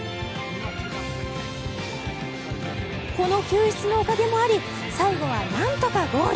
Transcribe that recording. この救出のおかげもあり最後はなんとかゴール。